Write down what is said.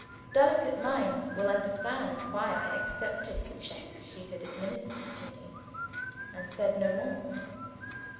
Delicate minds will understand why I accepted the check she had administered to me, and said no more.